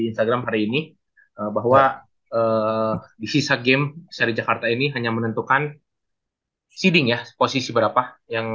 instagram hari ini bahwa di sisa game seri jakarta ini hanya menentukan seeding ya posisi berapa yang